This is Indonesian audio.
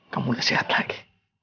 kamu udah sehat lagi